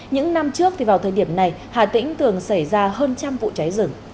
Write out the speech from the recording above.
những năm trước thì vào thời điểm này hà tĩnh thường xảy ra hơn trăm vụ cháy rừng